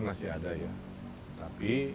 masih ada ya tapi